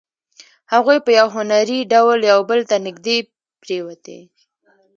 هغوی په یو هنري ډول یو بل ته نږدې پرېوتې